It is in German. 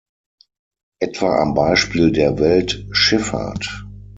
Etwa am Beispiel der Weltschiffahrt.